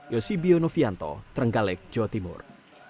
yosibio novianto trenggalek jawa timur